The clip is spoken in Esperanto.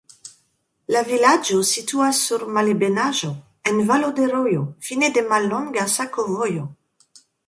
La vilaĝo situas sur malebenaĵo, en valo de rojo, fine de mallonga sakovojo.